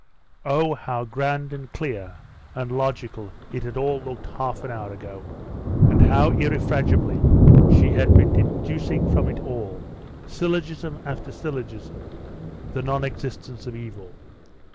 Oh, how grand, and clear, and logical it had all looked half an hour ago! And how irrefragably she had been deducing from it all, syllogism after syllogism, the non existence of evil!